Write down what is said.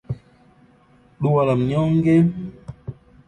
DAU LA MNYONGE…